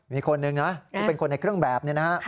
มีคนหนึ่งนะที่เป็นคนในเครื่องแบบนี้นะฮะ